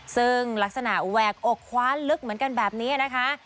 ซึ่งลักษณะแหวกอกคว้าลึกเหมือนกันแบบนี้นะคะ